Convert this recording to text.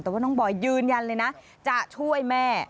แต่ว่าน้องบอยยืนยันเลยนะจะช่วยแม่